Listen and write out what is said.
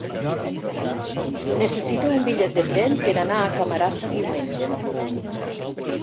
Necessito un bitllet de tren per anar a Camarasa diumenge.